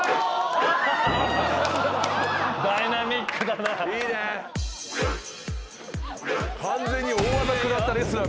ダイナミックだな。